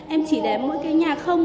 em chỉ để mỗi cái nhà không